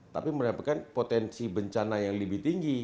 tapi mendapatkan potensi bencana yang lebih tinggi